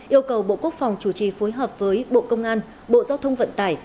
yêu cầu bộ quốc phòng chủ trì phối hợp với bộ công an bộ giao thông vận tải